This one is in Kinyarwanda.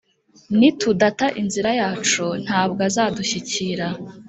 ni tudata inzira yacu, ntabw'azadushyikira.